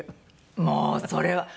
もうそれは。